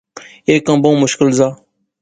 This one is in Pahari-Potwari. ایہہ کم بہوں مشکل زا